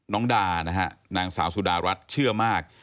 ดานะฮะนางสาวสุดารัฐเชื่อมาก